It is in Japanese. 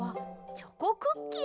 チョコクッキー？